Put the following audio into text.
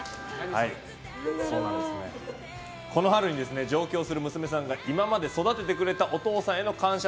この春に上京する娘さんが今まで育ててくれたお父さんへの感謝